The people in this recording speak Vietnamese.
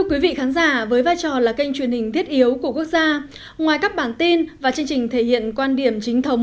chân đoàn làm phim